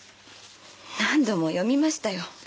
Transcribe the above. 何度も読みましたよ。